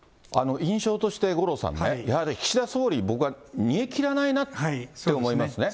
印象として、五郎さんね、やはり岸田総理、僕は煮え切らないなって思いますね。